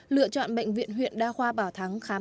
lựa chọn bệnh viện huyện đa khoa bảo thắng khám chữa bệnh